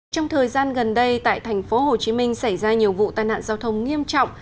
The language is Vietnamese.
trong thời gian gần đây tại thành phố hồ chí minh xảy ra nhiều vụ tai nạn giao thông nghiêm trọng